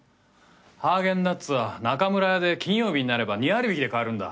ハーゲンダッツは中村屋で金曜日になれば２割引きで買えるんだ。